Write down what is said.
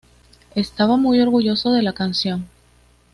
Estaba muy orgulloso de la canción".